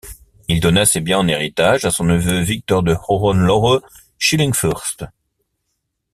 Il donna ses biens en héritage à son neveu Victor de Hohenlohe-Schillingsfürst.